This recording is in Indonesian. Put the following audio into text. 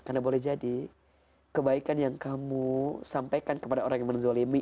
karena boleh jadi kebaikan yang kamu sampaikan kepada orang yang menzolimi